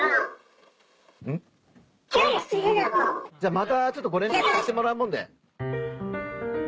またちょっとご連絡させてもらうもんで。